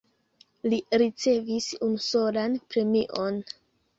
Li ricevis unusolan premion.